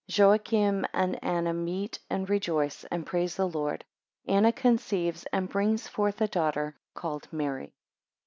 8 Joachim and Anna meet, and rejoice, 10 and praise the Lord. 11 Anna conceives, and brings forth a daughter called Mary.